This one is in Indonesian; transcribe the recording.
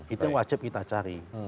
itu yang wajib kita cari